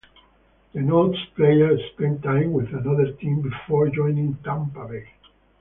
Denotes player spent time with another team before joining Tampa Bay.